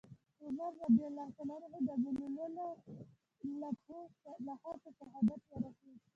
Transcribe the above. عمر رضي الله عنه د ابولؤلؤ له په شهادت ورسېد.